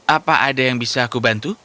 apa ada yang bisa aku bantu